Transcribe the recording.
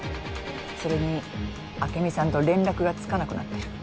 それに朱美さんと連絡がつかなくなってる。